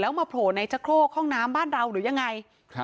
มาโผล่ในชะโครกห้องน้ำบ้านเราหรือยังไง